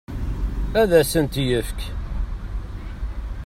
Ad as-ten-yefk?